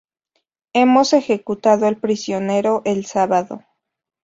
Hemos ejecutado al prisionero el sábado".